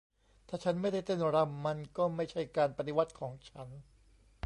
"ถ้าฉันไม่ได้เต้นรำ มันก็ไม่ใช่การปฏิวัติของฉัน"